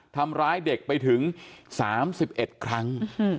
ทำร้ายเด็กไปถึง๓๑ครั้ง